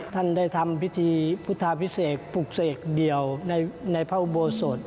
ท่านได้ทำพิธีพุทธาพิเศษปลูกเสกเดียวในพระอุโบสถ